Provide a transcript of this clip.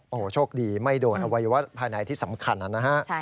โอ้โหโชคดีไม่โดนอวัยวะภายในที่สำคัญนะฮะ